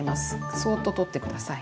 そっと取って下さい。